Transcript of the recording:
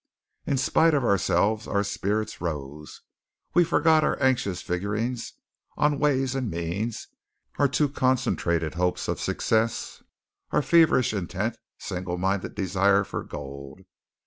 In spite of ourselves our spirits rose. We forgot our anxious figurings on ways and means, our too concentrated hopes of success, our feverish, intent, single minded desire for gold.